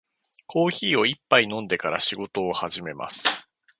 コーヒーを一杯飲んでから仕事を始めます。